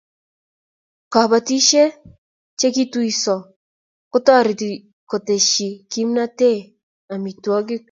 Kabotishe che kituisot kotoreti koteshi kimentee amitwokik.